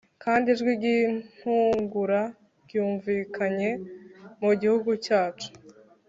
Kandi ijwi ry’intungura ryumvikanye mu gihugu cyacu.